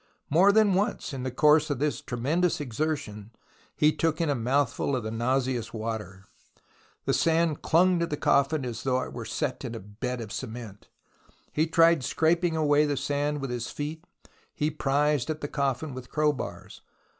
More than once in the course of his tremendous THE ROMANCE OF EXCAVATION 97 exertions he took in a mouthful of the nauseous water. The sand clung to the coffin as though it were set in a bed of cement. He tried scraping away the sand with his feet, he prised at the coffin with crowbars.